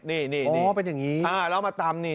นี่แล้วมาตำนี่